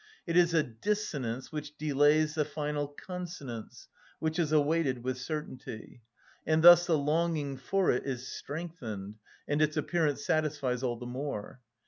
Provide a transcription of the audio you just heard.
It is a dissonance which delays the final consonance, which is awaited with certainty; and thus the longing for it is strengthened, and its appearance satisfies all the more.